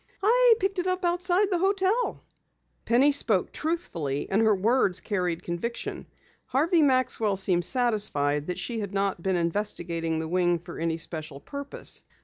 "I picked it up outside the hotel." Penny spoke truthfully and her words carried conviction. Harvey Maxwell seemed satisfied that she had not been investigating the wing for any special purpose.